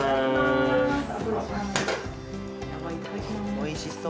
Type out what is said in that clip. おいしそう。